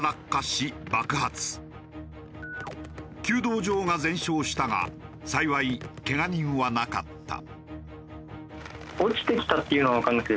弓道場が全焼したが幸いけが人はなかった。